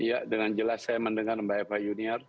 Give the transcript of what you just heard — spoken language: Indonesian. iya dengan jelas saya mendengar mbak eva junior